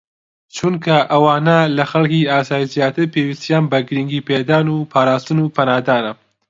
چونکە ئەوانە لە خەڵکی ئاسایی زیاتر پێویستیان بە گرنگیپێدان و پاراستن و پەنادانە